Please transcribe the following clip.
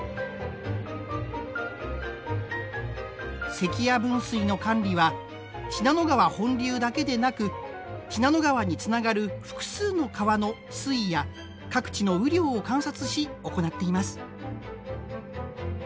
関屋分水の管理は信濃川本流だけでなく信濃川につながる複数の川の水位や各地の雨量を観察し行っています。